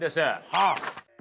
はあ。